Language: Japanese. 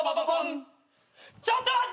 ちょっと待った！